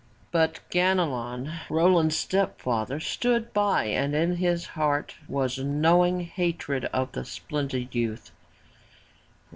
But Ganelon, Roland's step father stood by and in his heart was gnawing hatred of the splendid youth.